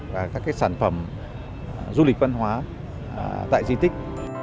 và các sản phẩm du lịch văn hóa tại di tích